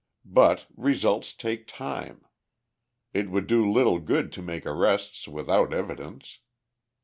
But results take time. It would do little good to make arrests without evidence.